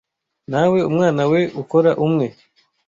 Nawe, umunwa we ukora umwe